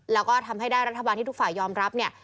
แล้วก็ทำให้ได้รัฐบาลที่ทุกฝ่ายยอมรับเนี่ย